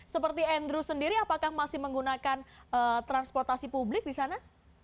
seperti andrew sendiri apakah masih menggunakan transportasi publik di sana